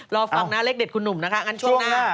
รอฟังนะเลขเด็ดคุณหนุ่มนะคะ